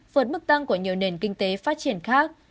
vượt mức tăng của nhiều nền kinh tế phát triển khác